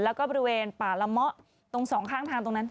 แล้วก็บริเวณป่าละเมาะตรงสองข้างทางตรงนั้น